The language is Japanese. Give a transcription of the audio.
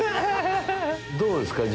どうですか？